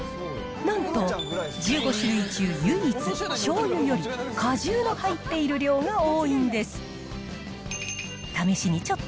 なんと１５種類中、唯一、しょうゆより果汁の入っている量が多いんです。